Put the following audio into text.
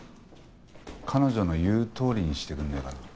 彼女の言うとおりにしてくんねえかな。